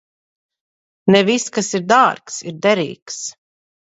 Ne viss, kas ir dārgs, ir derīgs.